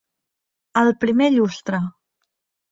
Al primer llustre.